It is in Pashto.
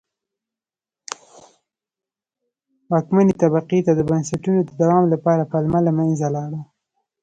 واکمنې طبقې ته د بنسټونو د دوام لپاره پلمه له منځه لاړه.